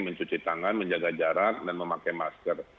mencuci tangan menjaga jarak dan memakai masker